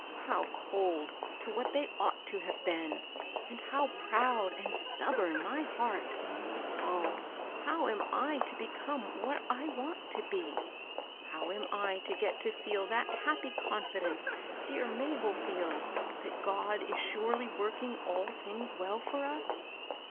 — how cold to what they ought to have been, and how proud and stubborn my heart I Oh, how am I to become what I want to be ?^ how am I to get to feel that happy confidence dear Mabel feels that God is surely working all things well for us